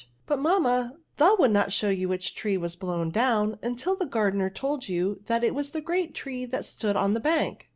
*^ But, mamma, the would not show you which tree was blown down until the gar* dener told you that it was the great tree that stood on the bank."